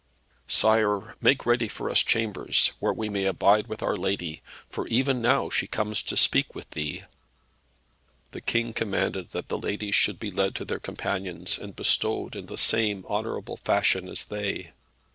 "Sire, make ready for us chambers, where we may abide with our lady, for even now she comes to speak with thee." The King commanded that the ladies should be led to their companions, and bestowed in the same honourable fashion as they.